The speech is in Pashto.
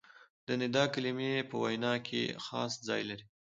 د ندا کلیمې په وینا کښي خاص ځای لري.